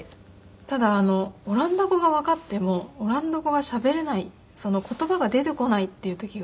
ただオランダ語がわかってもオランダ語がしゃべれない言葉が出てこないっていう時があったんです。